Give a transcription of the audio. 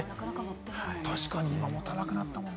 確かに今、持たなくなったもんな。